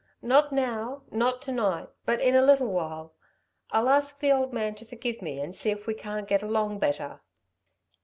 "Not now, not to night, but in a little while. I'll ask the old man to forgive me and see if we can't get along better."